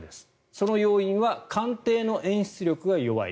その要因は官邸の演出力が弱い。